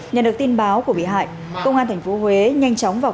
nhận được tin báo của bị hại công an thành phố huế nhanh chóng vào